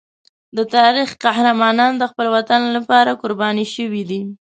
د تاریخ قهرمانان د خپل وطن لپاره قربان شوي دي.